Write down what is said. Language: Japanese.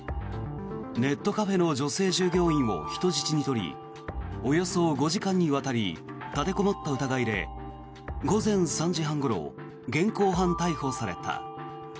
ネットカフェの女性従業員を人質に取りおよそ５時間にわたり立てこもった疑いで午前３時半ごろ現行犯逮捕された。